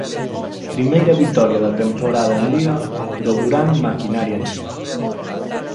Primeira vitoria da temporada en Liga do Durán Maquinaria Ensino.